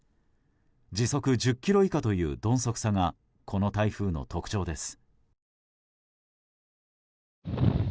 時速１０キロ以下という鈍足さがこの台風の特徴です。